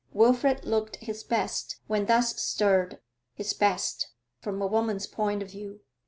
Wilfrid looked his best when thus stirred his best, from a woman's point of view.